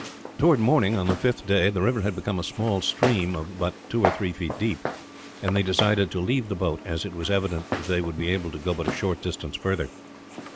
Towards morning on the fifth day the river had become a small stream, of but two or three feet deep; and they decided to leave the boat, as it was evident that they would be able to go but a short distance further.